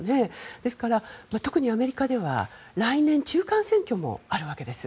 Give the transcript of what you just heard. ですから、特にアメリカでは来年、中間選挙もあるわけです。